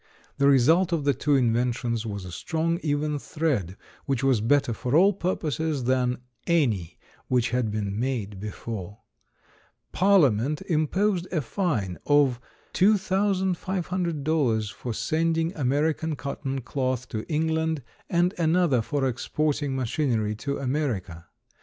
The result of the two inventions was a strong, even thread which was better for all purposes than any which had been made before. Parliament imposed a fine of $2,500 for sending American cotton cloth to England, and another for exporting machinery to America.